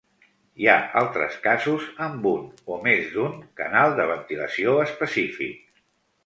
Hi ha altres casos amb un, o més d'un, canal de ventilació específic.